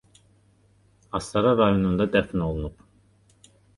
Astara rayonunda dəfn olunub.